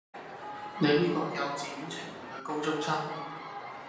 你呢個幼稚園程度嘅高中生